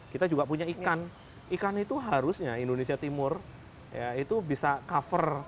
kita juga punya ikan ikan itu harusnya indonesia timur ya itu bisa cover